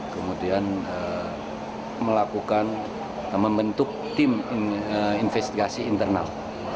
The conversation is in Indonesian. kemudian melakukan membentuk tim investigasi internal